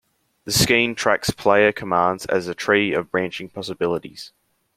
The skein tracks player commands as a tree of branching possibilities.